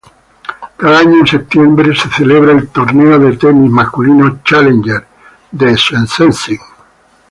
Cada año en septiembre se celebra el torneo de tenis masculino Challenger de Szczecin.